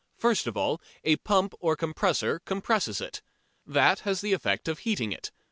First of all a pump or compressor compresses it. That has the effect of heating it.